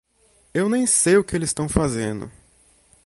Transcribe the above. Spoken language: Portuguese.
Eu nem sei o que eles tão fazendo.